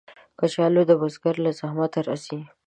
کچالو د بزګر له زحمته راځي